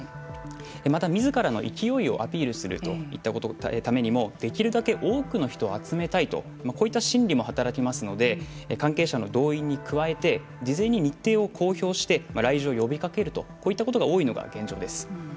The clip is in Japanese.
また、みずからの勢いをアピールするといったためにもできるだけ多くの人を集めたいとこういった心理も働きますので関係者の動員に加えて事前に日程を公表して来場を呼びかけるとこういったことが多いのが現状です。